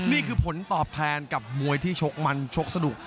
นี่คือผลตอบแทนกับมวยที่ชกมันชกสนุก